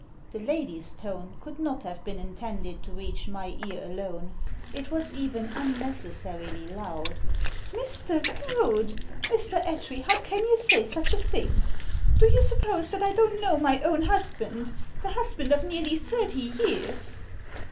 The lady's tone could not have been intended to reach my ear alone ; it was even unnecessarily loud. Mr. Goad I Mr. Attree, how can you say such a thing? Do you suppose that I don't know my own husband — the husband of nearly thirty years